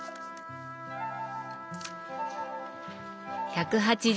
１８０